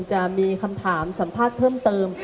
จะมีคำถามสัมภาษณ์เพิ่มเติม